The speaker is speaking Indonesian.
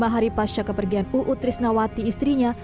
empat puluh lima hari pasca kepergian uu trisnawati istrinya